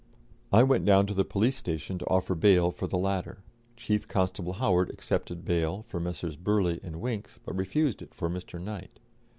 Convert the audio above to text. I went down to the police station to offer bail for the latter: Chief Constable Howard accepted bail for Messrs. Burleigh and Winks, but refused it for Mr. Knight.